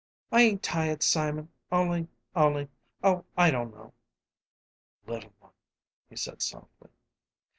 "I ain't tired, Simon; only only Oh, I don't know." "Little one," he said, softly.